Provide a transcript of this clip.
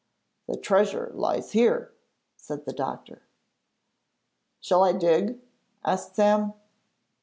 'The treasure lies here,' said the doctor. 'Shall I dig?' asked Sam.